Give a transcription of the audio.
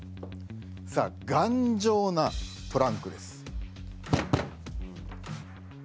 さあ頑丈なトランクです。